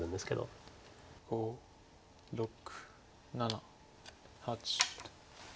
５６７８。